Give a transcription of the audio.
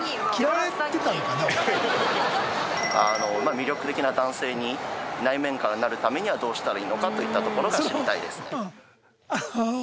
魅力的な男性に内面からなるためにはどうしたらいいのかといったところが知りたいですね。